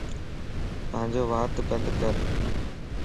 پانجو وات بند ڪر